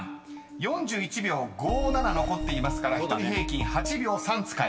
［４１秒５７残っていますから１人平均８秒３使えます］